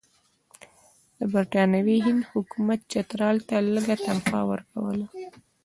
د برټانوي هند حکومت چترال ته لږه تنخوا ورکوله.